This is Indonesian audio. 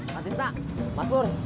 matita mas pur